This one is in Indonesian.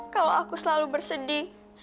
kalau aku selalu bersedih